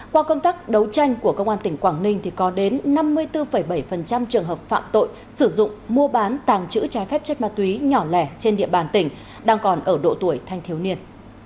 qua công tác đấu tranh của công an tỉnh quảng ninh thì có đến năm mươi bốn bảy trường hợp phạm tội sử dụng mua bán tàng trữ trái phép chất ma túy nhỏ lẻ trên địa bàn tỉnh đang còn ở độ tuổi thanh thiếu niên